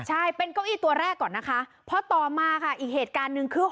ใช่เป็นเก้าอี้ตัวแรกก่อนนะคะพอต่อมาค่ะอีกเหตุการณ์หนึ่งคือ